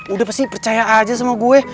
udah pasti percaya aja sama gue